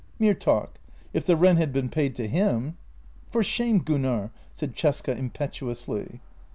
" Mere talk. If the rent had been paid to him. ..."" For shame, Gunnar! " said Cesca impetuously.